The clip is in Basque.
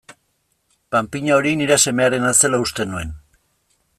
Panpina hori nire semearena zela uste nuen.